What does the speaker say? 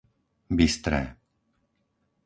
Bystré